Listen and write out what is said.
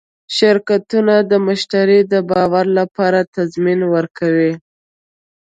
شرکتونه د مشتری د باور لپاره تضمین ورکوي.